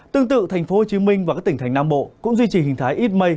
tương tự tp hcm và các tỉnh thành nam bộ cũng duy trì hình thái ít mây